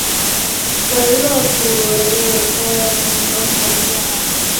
维勒古日人口变化图示